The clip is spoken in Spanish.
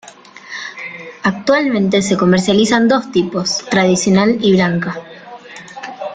Actualmente se comercializan dos tipos, tradicional y blanca.